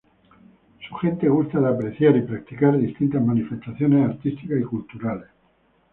Su gente gusta de apreciar y practicar distintas manifestaciones artísticas y culturales.